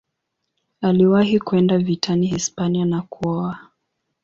Aliwahi kwenda vitani Hispania na kuoa.